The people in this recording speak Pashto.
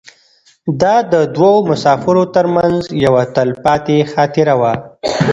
دا د دوو مسافرو تر منځ یوه تلپاتې خاطره وه.